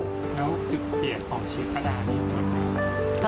แล้วงกใบของศีรษฐามีฯวนแต่